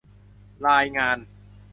รายงาน